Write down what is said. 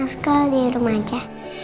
sekolah di rumah aja